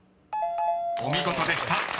［お見事でした］